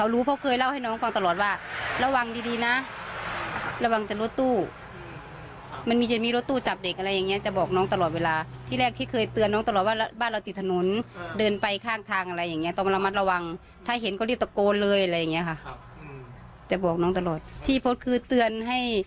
ระวังลูกหลานตัวเองให้ดีแบบนี้หัวโอบคนเป็นแม่